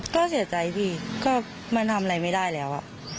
ก็เสียใจพี่ก็มันทำอะไรไม่ได้แล้ว